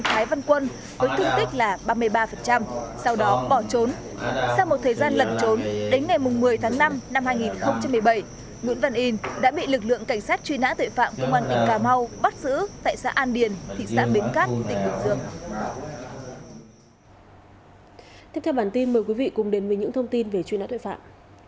tiếp theo bản tin mời quý vị cùng đến với những thông tin về truy nã tuệ phạm